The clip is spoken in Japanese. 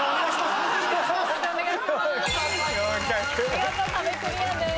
見事壁クリアです。